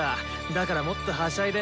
だからもっとはしゃいで。